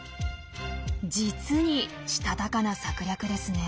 実にしたたかな策略ですね。